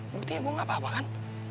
buktinya gue gak apa apa kan